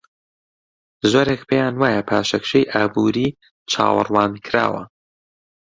زۆرێک پێیان وایە پاشەکشەی ئابووری چاوەڕوانکراوە.